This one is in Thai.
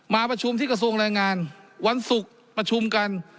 มาประชุมที่กระทรวงแรงงานวันศุกร์ประชุมกัน